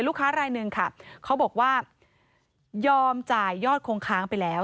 ลูกค้ารายหนึ่งค่ะเขาบอกว่ายอมจ่ายยอดคงค้างไปแล้ว